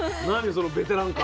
そのベテラン感。